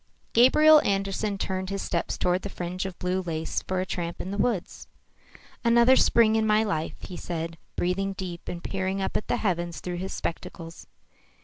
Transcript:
Gabriel Andersen turned his steps toward the fringe of blue lace for a tramp in the woods. "Another spring in my life," he said, breathing deep and peering up at the heavens through his spectacles.